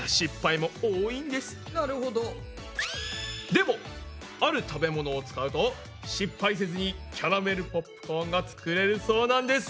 でもある食べ物を使うと失敗せずにキャラメルポップコーンが作れるそうなんです。